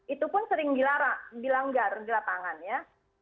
itu pun sering dilanggar di lapangan ya